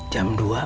jam berapa sekarang